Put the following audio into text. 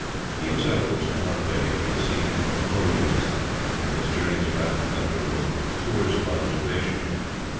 He himself was not paid. He "received emoluments," and his journeys about the country were "tours of observation."